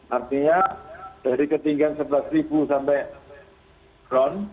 artinya dari ketinggian sebelas sampai drone